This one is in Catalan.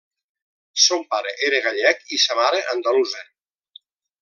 Son pare era gallec i sa mare andalusa.